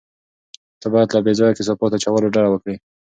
ته باید له بې ځایه کثافاتو اچولو ډډه وکړې.